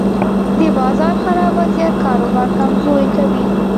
د بازار خراب وضعیت کاروبار کمزوری کوي.